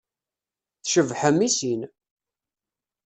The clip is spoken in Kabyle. Tcebḥem i sin.